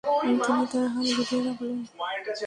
তিনি তার হাত গুটিয়ে রাখলেন।